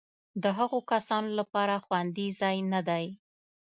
د هغو کسانو لپاره خوندي ځای نه دی.